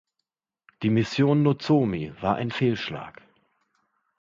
Die Mission Nozomi war ein Fehlschlag.